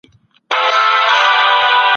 تعليم د ټول ژوند له پاره وي.